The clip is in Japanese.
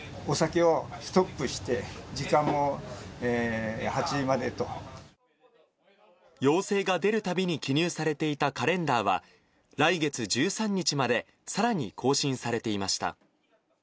お酒をストップして、時間も８時要請が出るたびに記入されていたカレンダーは、来月１３日までさらに更新されていました。